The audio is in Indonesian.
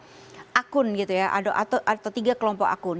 ada tiga akun gitu ya atau tiga kelompok akun